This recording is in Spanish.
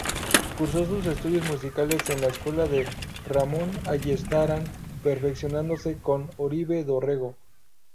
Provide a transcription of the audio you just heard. Cursó sus estudios musicales en la escuela de Ramón Ayestarán, perfeccionándose con Oribe Dorrego.